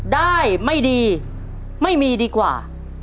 ได้ไม่ดีไม่มีดีกว่า